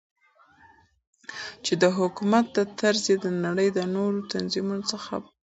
چې دحكومت دا طرز يي دنړۍ دنورو تنظيمونو څخه بيل كړى دى .